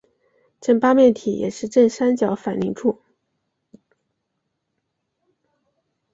正八面体也是正三角反棱柱。